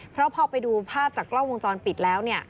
เพราะพอไปดูภาพจากกล้องวงจรปิดแล้วเนี่ย